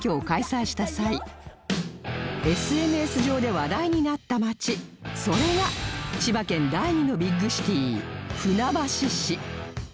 ＳＮＳ 上で話題になった街それが千葉県第２のビッグシティー船橋市